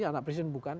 anak presiden bukan